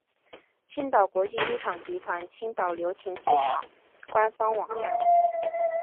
青岛国际机场集团青岛流亭机场官方网站